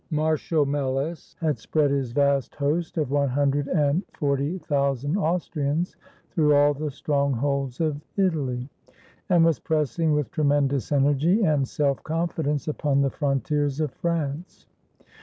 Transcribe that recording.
] Marshal Melas had spread his vast host of one hun dred and forty thousand Austrians through all the strongholds of Italy, and was pressing with tremendous energy and self confidence upon the frontiers of France.